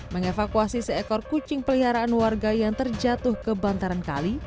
mengevakuasi seekor kucing peliharaan warga yang terjatuh ke bantaran kali